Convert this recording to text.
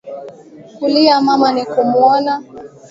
Kulia mama ni kumuona